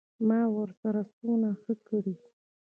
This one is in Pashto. ما ورسره څونه ښه کړي.